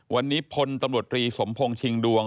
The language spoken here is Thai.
วันนี้พลตำรวจตรีสมพงศ์ชิงดวง